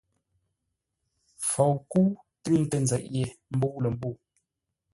FOUKƏ́U tʉŋtə nzeʼ yé mbə̂u lə̂ mbə̂u.